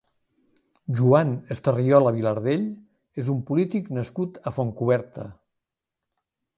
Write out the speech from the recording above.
Joan Estarriola Vilardell és un polític nascut a Fontcoberta.